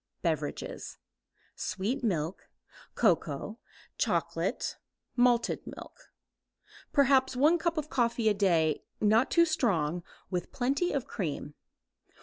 Beverages. Sweet milk, cocoa, chocolate, malted milk. Perhaps one cup of coffee a day, not too strong, with plenty of cream.